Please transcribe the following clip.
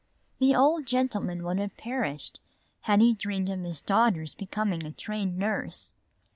The old gentleman would have perished had he dreamed of his daughter's becoming a trained nurse.